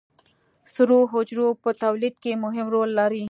سرو حجرو په تولید کې مهم رول لري